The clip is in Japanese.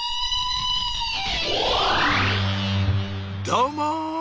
どうも！